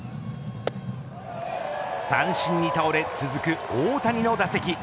三振に倒れ、続く大谷の打席。